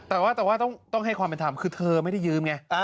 แต่ต้องให้ความเป็นสถามคือเธอไม่ได้ยืมไง